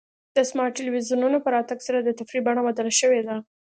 د سمارټ ټلویزیونونو په راتګ سره د تفریح بڼه بدله شوې ده.